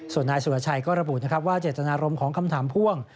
ส่วนนายสุรชัยก็ระบุนะครับว่าเจตนารมณ์ของคำถามพ่วง